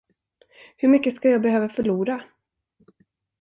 Hur mycket ska jag behöva förlora?